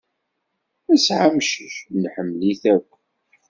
Nesɛa amcic. Nḥemmel-it akk.